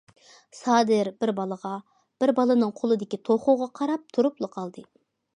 - سادىر بىر بالىغا، بىر بالىنىڭ قولىدىكى توخۇغا قاراپ تۇرۇپلا قالدى.